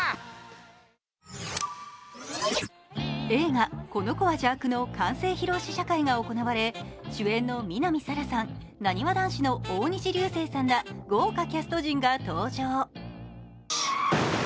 映画「この子は邪悪」の完成披露試写会が行われ主演の南沙良さん、なにわ男子の大西流星さんら豪華キャスト陣が登場。